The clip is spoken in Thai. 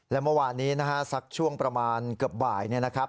และเมื่อวานนี้นะฮะสักช่วงประมาณเกือบบ่ายเนี่ยนะครับ